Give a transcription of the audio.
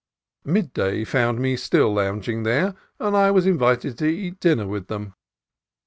Midday found me still lounging there, and I was invited to eat dinner with them.